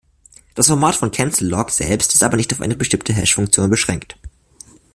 Das Format von "Cancel-Lock" selbst ist aber nicht auf eine bestimmte Hash-Funktion beschränkt.